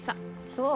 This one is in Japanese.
そう？